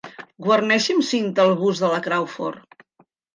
Guarneixi amb cinta el bust de la Crawford.